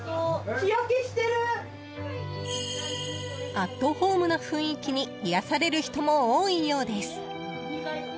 アットホームな雰囲気に癒やされる人も多いようです。